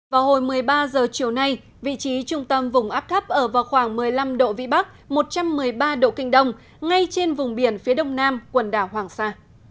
vào hồi một mươi ba h chiều nay vị trí trung tâm vùng áp thấp ở vào khoảng một mươi năm độ vĩ bắc một trăm một mươi ba độ kinh đông ngay trên vùng biển phía đông nam quần đảo hoàng sa